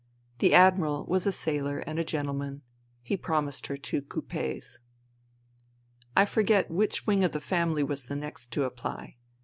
The Admiral was a sailor and a gentleman. He promised her two coupes. I forget which wing of the family was the next to apply.